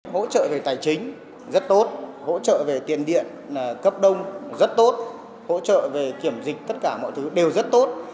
hỗ trợ về tài chính rất tốt hỗ trợ về tiền điện cấp đông rất tốt hỗ trợ về kiểm dịch tất cả mọi thứ đều rất tốt